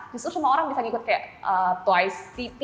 justru semua orang bisa ngikut kayak twice city